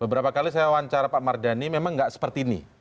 beberapa kali saya wawancara pak mardhani memang nggak seperti ini